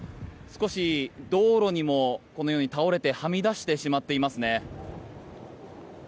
少し道路にもこのように倒れてはみ出してしまっていますね。